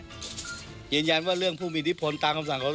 แต่การเข้าจากบรรเวียคารายจุนเนี่ยเป็นพื้นที่เป็นอดีตแก่น้ำความสนุก